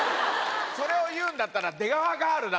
それを言うんだったら。